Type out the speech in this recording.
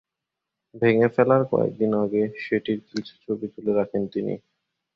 ভেঙে ফেলার কয়েক দিন আগে সেটির কিছু ছবি তুলে রাখেন তিনি।